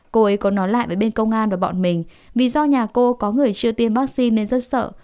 cô ấy có nói lại với bên công an và bọn mình vì do nhà cô có người chưa tiêm vaccine nên rất sợ